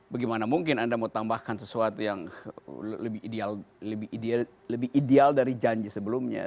bagaimana mungkin anda mau tambahkan sesuatu yang lebih ideal dari janji sebelumnya